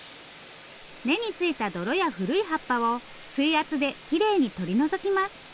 根についた泥や古い葉っぱを水圧できれいに取り除きます。